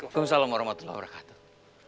waalaikumsalam warahmatullahi wabarakatuh